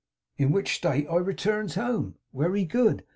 In which state I returns home. Wery good.